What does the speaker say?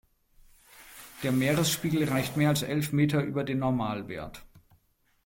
Der Meeresspiegel reicht mehr als elf Meter über den Normalwert.